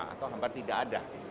atau hampir tidak ada